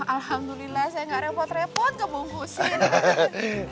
alhamdulillah saya gak repot repot ke bungkusin